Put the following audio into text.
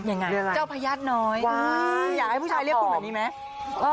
อย่างนะเจ้าพยาดน้อยอื้อวววอยากให้ผู้ชายเรียกคุณเหมือนนี้มั้ย